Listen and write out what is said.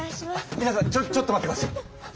みなさんちょちょっと待ってください！